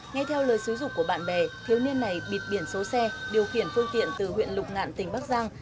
nghe theo lời xứ dục của bạn bè thiếu niên này bịt biển số xe điều khiển phương tiện từ huyện lục ngạn tỉnh bắc giang